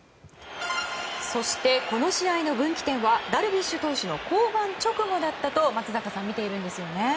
そしてこの試合の分岐点はダルビッシュ投手の降板直後だったと松坂さんは見ているんですよね。